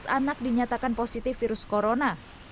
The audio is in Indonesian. dua ratus sebelas anak dinyatakan positif virus corona